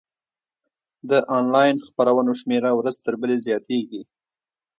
د انلاین خپرونو شمېره ورځ تر بلې زیاتیږي.